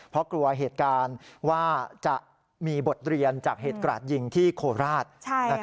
เพราะกลัวเหตุการณ์ว่าจะมีบทเรียนจากเหตุกราดยิงที่โคราช